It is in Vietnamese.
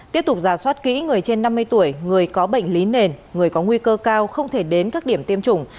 tiếp tục giả soát kỹ người trên năm mươi tuổi người có bệnh lý nền người có nguy cơ cao không thể đến các điểm tiêm chủng